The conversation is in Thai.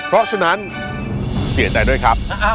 เพราะฉะนั้นเสียใจด้วยครับ